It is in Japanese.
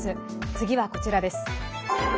次はこちらです。